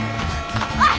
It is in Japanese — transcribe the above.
おい！